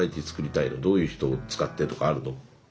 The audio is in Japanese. どういう人使ってとかあるの？